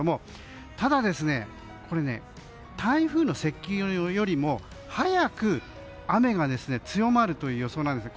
ただ、台風の接近よりも早く雨が強まる予想なんですね。